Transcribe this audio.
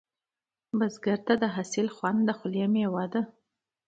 بزګر ته د حاصل خوند د خولې میوه ده